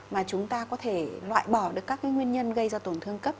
mà chúng ta có thể loại bỏ được các nguyên nhân gây ra tổn thương cấp